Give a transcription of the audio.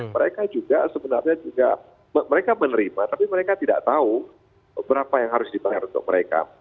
mereka juga sebenarnya juga mereka menerima tapi mereka tidak tahu berapa yang harus dibayar untuk mereka